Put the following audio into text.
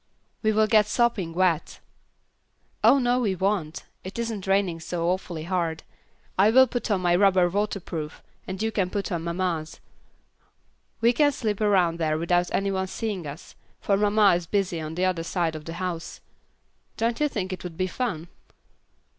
"We will get sopping wet." "Oh no, we won't; it isn't raining so awfully hard. I will put on my rubber waterproof, and you can put on mamma's. We can slip around there without any one seeing us, for mamma is busy on the other side of the house. Don't you think it would be fun?"